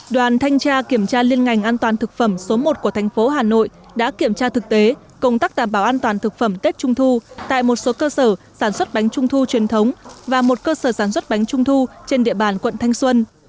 đoàn thanh tra kiểm tra liên ngành an toàn thực phẩm số một của thành phố hà nội đã kiểm tra thực tế công tác đảm bảo an toàn thực phẩm tết trung thu tại một số cơ sở sản xuất bánh trung thu truyền thống và một cơ sở sản xuất bánh trung thu trên địa bàn quận thanh xuân